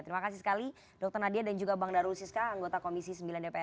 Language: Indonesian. terima kasih sekali dokter nadia dan juga bang darul siska anggota komisi sembilan dpr ri dan cnn indonesia